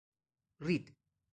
رید